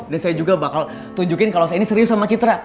dan saya juga bakal tunjukin kalau saya ini serius sama citra